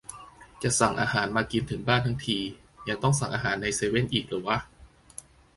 "จะสั่งอาหารมากินถึงบ้านทั้งที ยังต้องสั่งอาหารในเซเว่นอีกเหรอวะ"